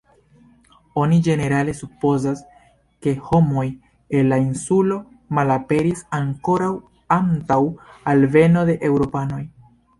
Oni ĝenerale supozas, ke homoj el la insulo malaperis ankoraŭ antaŭ alveno de Eŭropanoj.